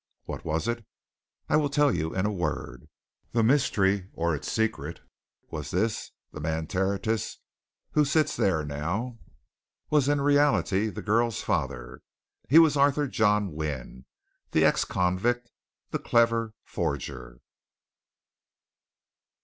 What was it? I will tell you in a word the mystery or its secret, was this the man Tertius, who sits there now, was in reality the girl's father! He was Arthur John Wynne, the ex convict the clever forger!"